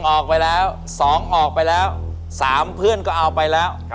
ออกไปแล้ว๒ออกไปแล้ว๓เพื่อนก็เอาไปแล้ว